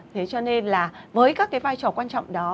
thế cho nên là với các cái vai trò quan trọng đó